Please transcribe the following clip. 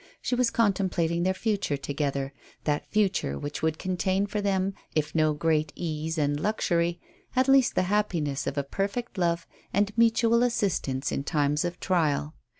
She was contemplating their future together, that future which would contain for them, if no great ease and luxury, at least the happiness of a perfect love and mutual assistance in times of trial.